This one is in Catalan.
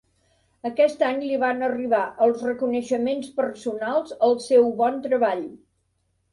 Aquest any li van arribar els reconeixements personals al seu bon treball.